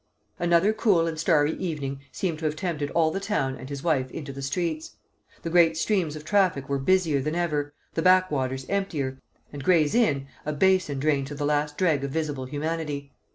Another cool and starry evening seemed to have tempted all the town and his wife into the streets. The great streams of traffic were busier than ever, the backwaters emptier, and Gray's Inn a basin drained to the last dreg of visible humanity.